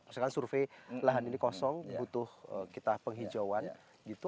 misalkan survei lahan ini kosong butuh kita penghijauan gitu